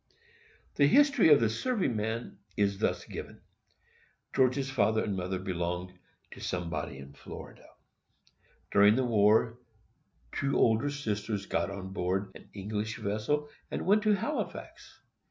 The history of the serving man is thus given: George's father and mother belonged to somebody in Florida. During the war, two older sisters got on board an English vessel, and went to Halifax.